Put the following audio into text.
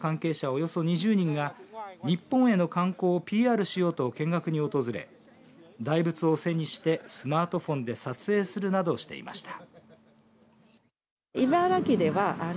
およそ２０人が日本への観光をＰＲしようと見学に訪れ大仏を背にしてスマートフォンで撮影するなどしていました。